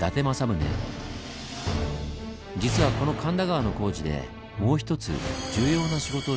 実はこの神田川の工事でもう一つ重要な仕事をしていました。